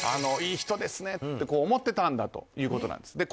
いい人ですねと思ってたんだということなんです。